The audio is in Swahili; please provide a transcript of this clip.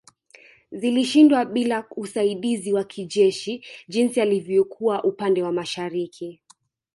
Zilishindwa bila usaidizi wa kijeshi jinsi ilivyokuwa upande wa mashariki